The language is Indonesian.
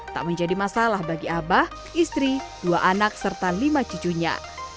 tak menjadi masalah bagi abah istri dua anak serta lima cucunya